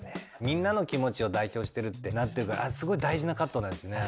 みんなの気持ちを代表してるってなってるからあれすごい大事なカットなんですね。